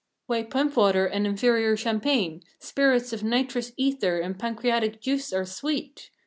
why pump water and inferior champagne, spirits of nitrous ether and pancreatic juice are "sweet."